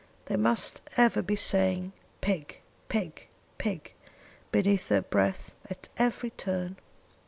They must ever be saying, 'pig, pig, pig,' beneath their breath, at every turn."